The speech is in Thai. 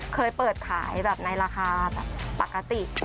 เคยเปิดขายแบบในราคาแบบปกติ